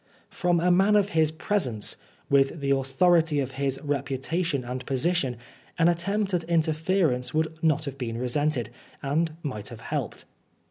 From a man of his presence, with the authority of his reputation and position, an attempt at inter ference would not have been resented, and might have helped.